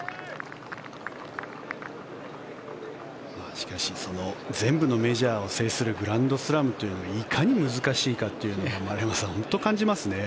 しかし全部のメジャーを制するグランドスラムというのがいかに難しいというのが丸山さん、本当に感じますね。